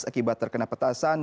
akibat terkena petasan